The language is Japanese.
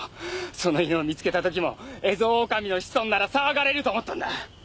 その犬を見つけたときもエゾオオカミの子孫なら騒がれると思ったんだ。